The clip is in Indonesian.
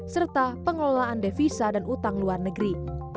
serta pengelolaan devisa dan utang luar negeri